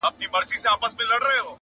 څۀ خو کوي خلق پۀ مينه کښې ناکام هلکه